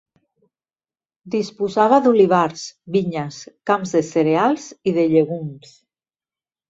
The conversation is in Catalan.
Disposava d'olivars, vinyes, camps de cereals i de llegums.